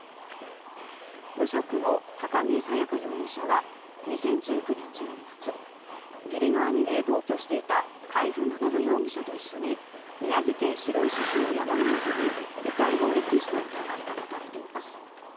無職の高木紗耶花容疑者は２０１９年１２月義理の兄で同居していた海部学容疑者と一緒に宮城県白石市の山の中に遺体を遺棄した疑いが持たれています。